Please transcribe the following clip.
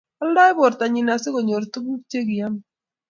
Oldoi bortanyi asikonyor tuguk che kiomei